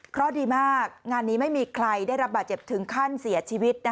เพราะดีมากงานนี้ไม่มีใครได้รับบาดเจ็บถึงขั้นเสียชีวิต